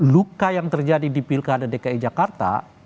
luka yang terjadi di pilkada dki jakarta